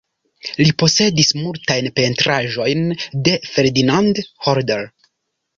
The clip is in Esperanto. Li posedis multajn pentraĵojn de Ferdinand Hodler.